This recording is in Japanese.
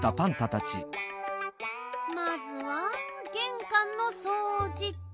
まずはげんかんのそうじっと。